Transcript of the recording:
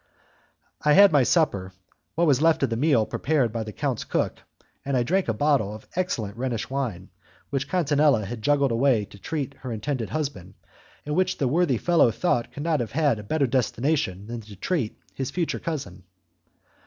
I had for my supper what was left of the meal prepared by the count's cook, and I drank a bottle of excellent Rhenish wine which Catinella had juggled away to treat her intended husband, and which the worthy fellow thought could not have a better destination than to treat his future cousin.